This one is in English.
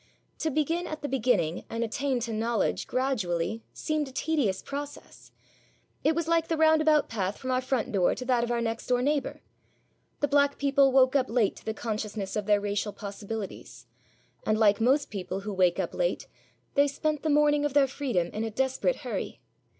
To begin at the beginning and attain to knowledge gradually seemed a tedious process. It was like the round about path from our front door to that of our next door neighbour. The black people woke up late to the consciousness of their racial possibilities; and, like most people who wake up late, they spent the morning of their freedom in a desperate hurry.